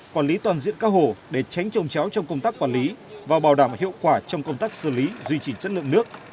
quản lý toàn diện các hồ để tránh trồng chéo trong công tác quản lý và bảo đảm hiệu quả trong công tác xử lý duy trì chất lượng nước